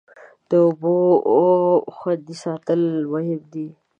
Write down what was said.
د اوبو خوندي ساتل مهم دی.